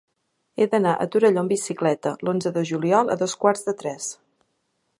He d'anar a Torelló amb bicicleta l'onze de juliol a dos quarts de tres.